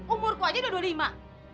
umurku aja udah dua puluh lima